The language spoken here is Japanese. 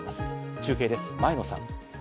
中継です、前野さん。